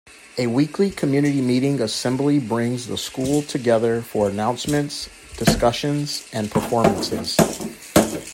A weekly community meeting assembly brings the school together for announcements, discussions and performances.